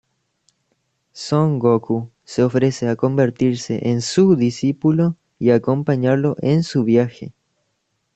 Son Goku se ofrece a convertirse en su discípulo y acompañarlo en su viaje.